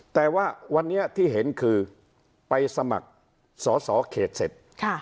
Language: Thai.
แต่ว่าวันนี้ที่เห็นคือไปสมัครสอสอเขตเสร็จ